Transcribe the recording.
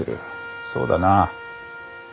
そうだな。